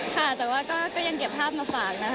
ค่ะแต่ว่าก็ยังเก็บภาพมาฝากนะคะ